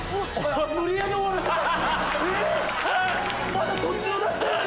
まだ途中だったよね？